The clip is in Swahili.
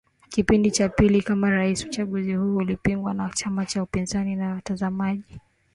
kipindi cha pili kama rais Uchaguzi huu ulipingwa na chama cha upinzani na watazamaji